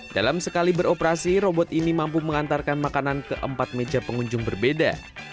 dalam sekali beroperasi robot ini mampu mengantarkan makanan ke empat meja pengunjung berbeda